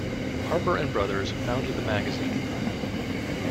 Harper and Brothers founded the magazine.